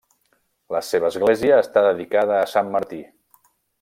La seva església està dedicada a Sant Martí.